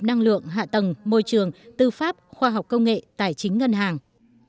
năng lượng hạ tầng môi trường tư pháp khoa học công nghệ tài chính ngân hàng